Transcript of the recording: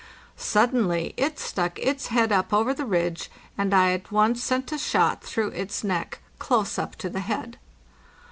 Suddenly it stuck its head up over the ridge, and I at once sent a shot through its neck close up tothe head.